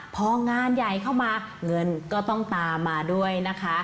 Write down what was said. พองานใหญ่เข้ามาเงินก็ต้องตามมาด้วยนะคะ